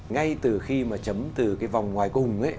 ngay từ khi mà chấm từ cái vòng ngoài cùng ấy